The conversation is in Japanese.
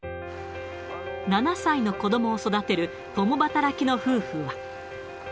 ７歳の子どもを育てる共働きの夫婦は。